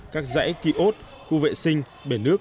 các rãi kỳ ốt khu vệ sinh bể nước